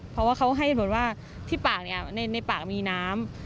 เพราะว่าเขาให้เหตุผลว่าที่ปากเนี่ยในปากมีน้ำ